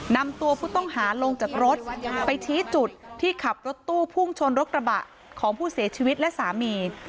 นำตัวผู้ต้องหาลงจากรถไปชี้จุดที่ขับรถตู้พุ่งชนรถกระบะของผู้เสียชีวิตและสามี